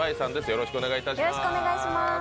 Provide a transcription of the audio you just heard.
よろしくお願いします。